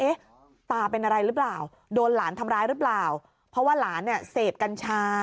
ตาเป็นอะไรหรือเปล่าโดนหลานทำร้ายหรือเปล่าเพราะว่าหลานเนี่ยเสพกัญชา